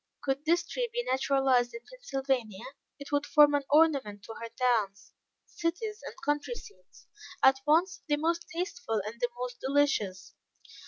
Could this tree be naturalized in Pennsylvania, it would form an ornament to her towns, cities and country seats, at once the most tasteful and the most delicious.